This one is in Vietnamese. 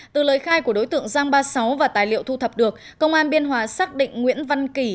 từ lời khai của đối tượng giang ba mươi sáu và tài liệu thu thập được công an biên hòa xác định nguyễn văn kỳ